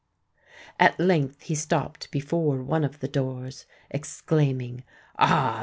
At length he stopped before one of the doors, exclaiming, "Ah!